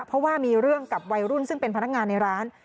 เพราะว่ามีเรื่องกับวัยรุ่นซึ่งเป็นพนักงานในร้าน